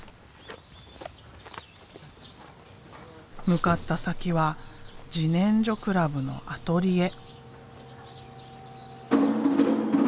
向かった先は自然生クラブのアトリエ。